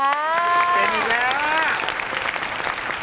อุ๋ยเป็นอีกแล้ว